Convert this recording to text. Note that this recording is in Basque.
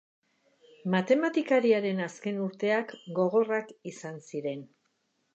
Matematikariaren azken urteak gogorrak izan ziren.